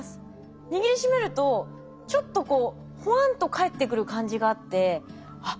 握りしめるとちょっとこうホワンと返ってくる感じがあってあっ